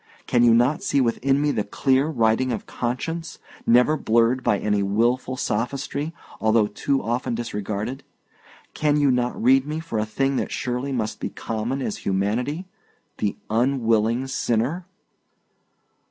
Can you not see within me the clear writing of conscience, never blurred by any wilful sophistry, although too often disregarded? Can you not read me for a thing that surely must be common as humanity the unwilling sinner?"